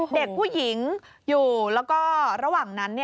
เด็กผู้หญิงอยู่แล้วก็ระหว่างนั้น